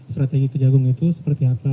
strategi kejagung itu seperti apa